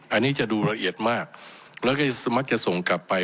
อันนี้จะดูละเอียดมากแล้วก็มักจะส่งกลับไป